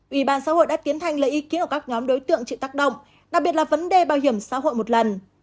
ủy ban xã hội đã tiến hành lấy ý kiến của các nhóm đối tượng chịu tác động đặc biệt là vấn đề bảo hiểm xã hội một lần